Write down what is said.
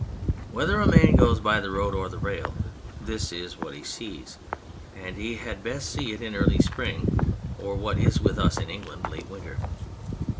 Whether a man goes by the road or the rail, this is what he sees and he had best see it in early spring, or what is with us in England late winter.